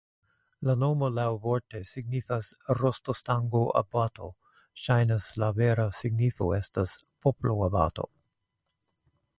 La nomo laŭvorte signifas rostostango-abato, ŝajnas, la vera signifo estas poplo-abato.